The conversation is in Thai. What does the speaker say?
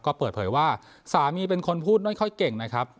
ก็เปิดเผยว่าสามีเป็นคนพูดไม่ค่อยเก่งนะครับ